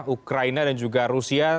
ukraina dan juga rusia